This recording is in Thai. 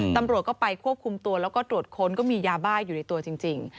ตำรวจก็ไปควบคุมตัวแล้วก็ตรวจค้นก็มียาบ้าอยู่ในตัวจริง